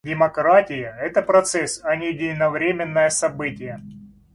Демократия — это процесс, а не единовременное событие.